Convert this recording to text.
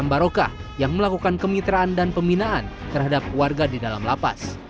barokah yang melakukan kemitraan dan pembinaan terhadap warga di dalam lapas